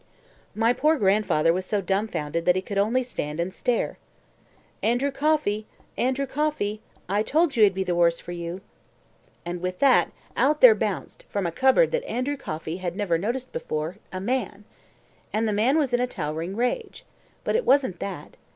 My poor grandfather was so dumbfounded that he could only stand and stare. "ANDREW COFFEY! ANDREW COFFEY! I told you it'd be the worse for you." And with that, out there bounced, from a cupboard that Andrew Coffey had never noticed before, a man. And the man was in a towering rage. But it wasn't that.